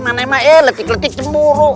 mana emang letih letih cemburu